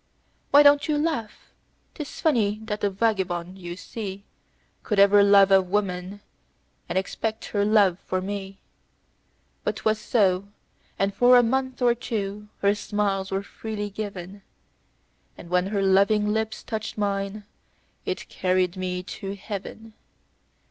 "Why don't you laugh? 'Tis funny that the vagabond you see Could ever love a woman, and expect her love for me; But 'twas so, and for a month or two, her smiles were freely given, And when her loving lips touched mine, it carried me to Heaven.